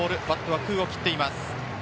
バットは空を切っています。